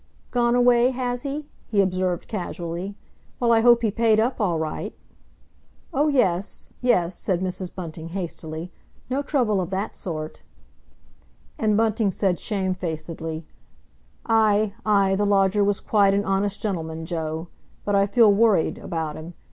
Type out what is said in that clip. "Gone away, has he?" he observed casually. "Well, I hope he paid up all right?" "Oh, yes, yes," said Mrs. Bunting hastily. "No trouble of that sort." And Bunting said shamefacedly, "Aye, aye, the lodger was quite an honest gentleman, Joe. But I feel worried, about him.